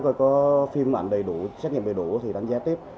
coi có phim ảnh đầy đủ xét nghiệm đầy đủ thì đánh giá tiếp